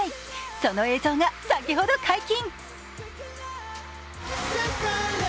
その映像が先ほど解禁。